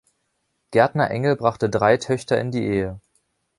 Gärtner-Engel brachte drei Töchter in die Ehe.